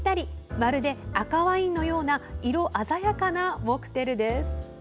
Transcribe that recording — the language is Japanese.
まるで赤ワインのような色鮮やかなモクテルです。